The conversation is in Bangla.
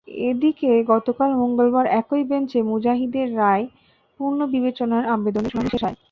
এদিকে, গতকাল মঙ্গলবার একই বেঞ্চে মুজাহিদের রায় পুনর্বিবেচনার আবেদনের শুনানি শেষ হয়।